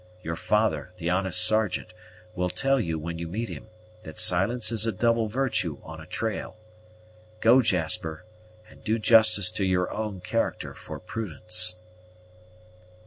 Your father, the honest Sergeant, will tell you, when you meet him, that silence is a double virtue on a trail. Go, Jasper, and do justice to your own character for prudence."